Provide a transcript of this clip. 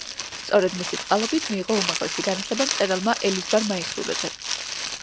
სწორედ მისი წყალობით მიიღო უმაღლესი განათლება მწერალმა ელიზბარ მაისურაძემ.